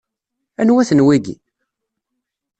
Anwa-ten wigi?